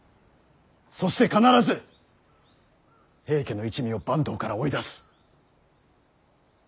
そして必ず平家の一味を坂東から追い出す。